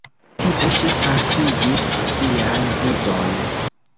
Tie ŝi pasigis sian vivon.